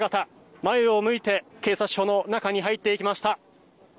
前を向いて、警察庁の中に入っていきました。